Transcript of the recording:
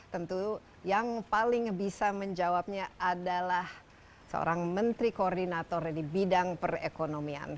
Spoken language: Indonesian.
tentu yang paling bisa menjawabnya adalah seorang menteri koordinator di bidang perekonomian